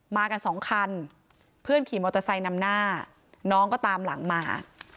มากันสองคันเพื่อนขี่มอเตอร์ไซค์นำหน้าน้องก็ตามหลังมา